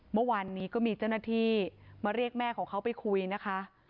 เมื่อวานนี้ก็มีเจ้าหน้าที่มาเรียกแม่ของเขาไปคุยนะคะ